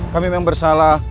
kami memang bersalah